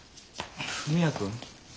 文也君？